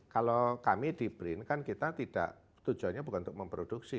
kalau kami di brin kan kita tidak tujuannya bukan untuk memproduksi